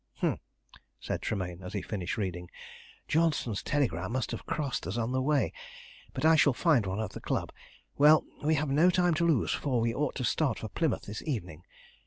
"Humph!" said Tremayne, as he finished reading. "Johnston's telegram must have crossed us on the way, but I shall find one at the club. Well, we have no time to lose, for we ought to start for Plymouth this evening.